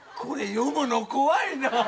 これ読むの怖いな！